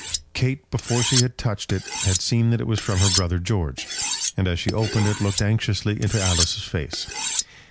Kate before she had touched it had seen that it was from her brother George; and as she opened it looked anxiously into Alice's face.